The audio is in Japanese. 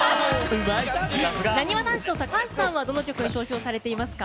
なにわ男子の高橋さんはどの曲に投票されていますか？